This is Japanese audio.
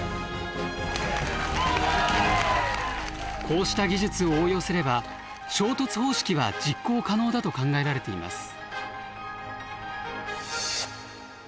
こうした技術を応用すれば衝突方式は実行可能だと考えられています。